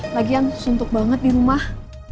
lagian suntuk banget dirumah